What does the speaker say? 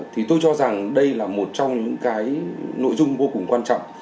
thì tôi cho rằng đây là một trong những cái nội dung vô cùng quan trọng